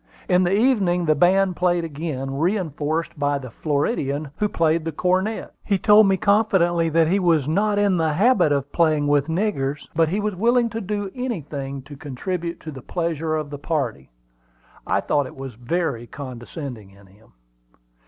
In the evening the band played again, reinforced by the Floridian, who played the cornet. He told me confidentially that he was not in the habit of playing with "niggers," but he was willing to do anything to contribute to the pleasure of the party. I thought it was very condescending in him.